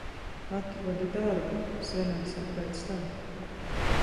Atrodi darbu, svinēsim pēc tam.